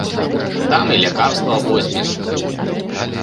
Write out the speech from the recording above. Там і лякарства возьмеш.